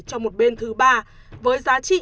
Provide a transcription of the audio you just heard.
cho một bên thứ ba với giá trị